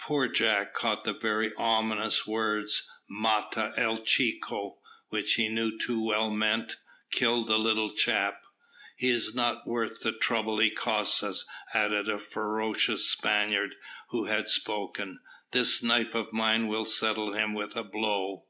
Poor Jack caught the very ominous words, "mata el chico," which he knew too well meant "kill the little chap." "He is not worth the trouble he costs us," added the ferocious Spaniard who had spoken. "This knife of mine will settle him with a blow."